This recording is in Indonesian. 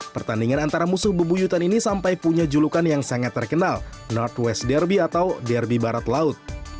pertandingan antara musuh bebu yutan ini sampai punya julukan yang sangat terkenal northwest derby atau derby barat laut